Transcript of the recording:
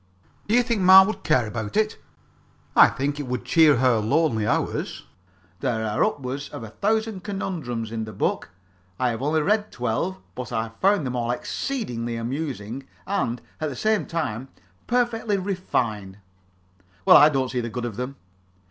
"Do you think ma would care about it?" "I think it would cheer her lonely hours. There are upwards of a thousand conundrums in the book. I have only read twelve, but I found them all exceedingly amusing, and, at the same time, perfectly refined." "Well, I don't see the good of them."